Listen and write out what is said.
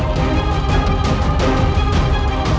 apa darah suci mu